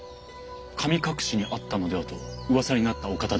神隠しに遭ったのではと噂になったお方でござんすね。